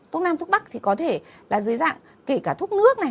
thuốc nam thuốc bắc thì có thể là dưới dạng kể cả thuốc nước này